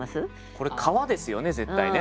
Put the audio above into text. これ川ですよね絶対ね。